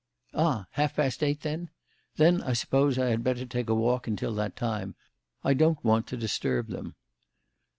"Ah! half past eight, then? Then I suppose I had better take a walk until that time. I don't want to disturb them."